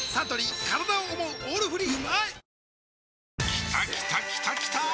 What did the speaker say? きたきたきたきたー！